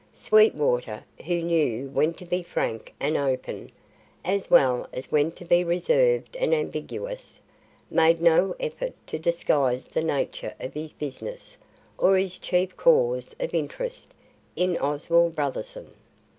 Sweetwater, who knew when to be frank and open, as well as when to be reserved and ambiguous, made no effort to disguise the nature of his business or his chief cause of interest in Oswald Brotherson.